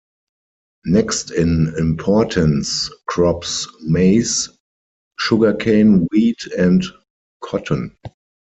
Next in importance crops maize sugarcane wheat and cotton.